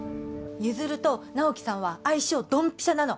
譲と直木さんは相性ドンピシャなの